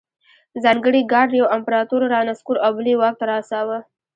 ځانګړي ګارډ یو امپرتور رانسکور او بل یې واک ته رساوه